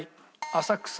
浅草。